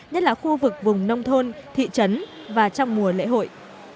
nhất là khu vực vùng nông thôn thị trấn và trong mùa lễ hội